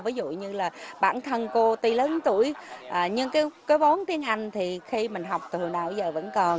ví dụ như là bản thân cô tuy lớn tuổi nhưng cứ bốn tiếng anh thì khi mình học từ nào giờ vẫn còn